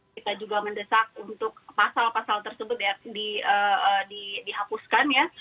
kita juga mendesak untuk pasal pasal tersebut dihapuskan ya